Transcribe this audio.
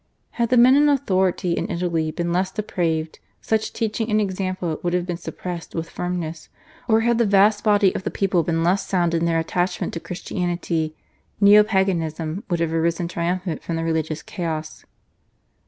Had the men in authority in Italy been less depraved such teaching and example would have been suppressed with firmness; or had the vast body of the people been less sound in their attachment to Christianity, Neo Paganism would have arisen triumphant from the religious chaos.